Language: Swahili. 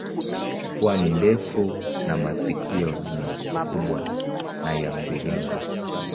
Pua ni ndefu na masikio ni makubwa na ya mviringo.